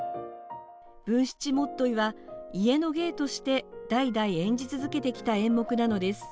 「文七元結」は、家の芸として代々演じ続けてきた演目なのです。